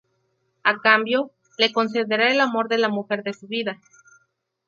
A cambio, le concederá el amor de la mujer de su vida.